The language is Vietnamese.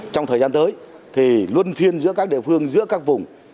trong thời gian tới luôn phiên giữa các địa phương giữa các vùng